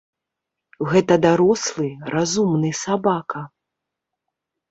Гэта дарослы, разумны сабака.